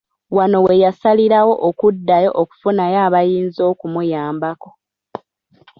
Wano we yasalirawo okuddayo okufunayo abayinza okumuyambako.